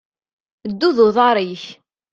Ddu d uḍaṛ-ik.